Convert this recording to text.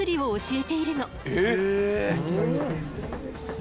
え！